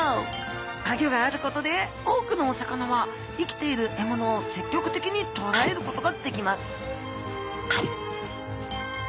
アギョがあることで多くのお魚は生きている獲物を積極的に捕らえることができます